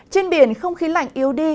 trên biển không khí lạnh yếu đi